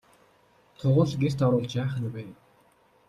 Тугал гэрт оруулж яах нь вэ?